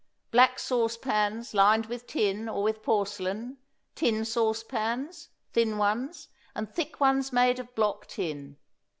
Black sauce pans, lined with tin or with porcelain; tin sauce pans, thin ones, and thick ones made of block tin.